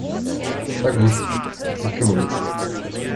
Na gut, ich komme mit.